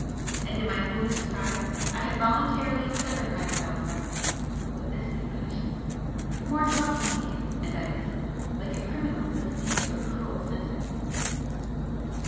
And in my foolish pride I had voluntarily severed myself from him! was this my punishment? More talking began, and I listened, like a criminal listening to a cruel sentence.